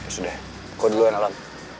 sudah kau duluan alam